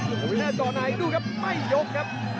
โอ้โหวินเตอร์จอดหน้าอีกดูครับไม่ยกครับ